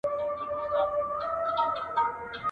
پر وړو لویو خبرو نه جوړېږي.